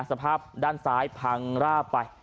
สภาพด้านซ้ายพังราบไป